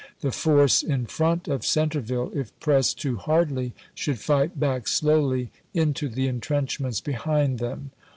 The force in front of Centre ville, if pressed too hardly, should flght back slowly into the intrenchments behind them.